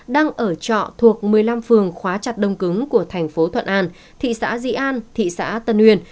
đang ở trọ thuộc một mươi năm phường khóa chặt đông cứng của thành phố thuận an thị xã di an thị xã tân uyên